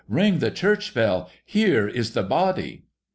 Ring the church bell ! Here is the body